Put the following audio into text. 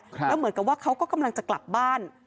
แล้วเหมือนกับว่าเขาก็กำลังจะกลับบ้าน